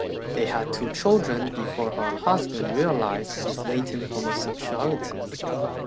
They had two children before her husband realised his latent homosexuality.